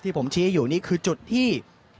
ผมชี้อยู่นี่คือจุดที่